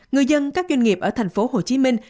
người dân các doanh nghiệp ở thành phố hồ chí minh